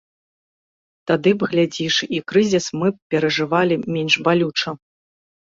Тады б, глядзіш, і крызіс мы б перажывалі менш балюча.